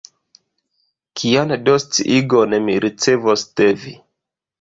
Kian do sciigon mi ricevos de vi?